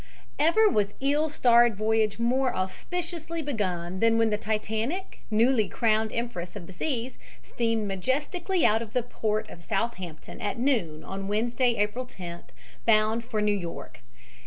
EVER was ill starred voyage more auspiciously begun than when the Titanic, newly crowned empress of the seas, steamed majestically out of the port of Southampton at noon on Wednesday, April 10th, bound for New York.